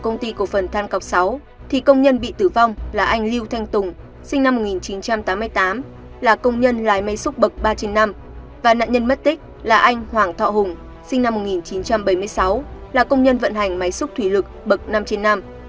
năm một nghìn chín trăm bảy mươi sáu công nhân bị tử vong là anh lưu thanh tùng sinh năm một nghìn chín trăm tám mươi tám là công nhân lái máy xúc bậc ba trên năm và nạn nhân mất tích là anh hoàng thọ hùng sinh năm một nghìn chín trăm bảy mươi sáu là công nhân vận hành máy xúc thủy lực bậc năm trên năm